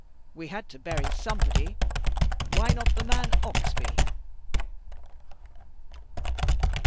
We had to bury somebody. Why not the man Oxbye?"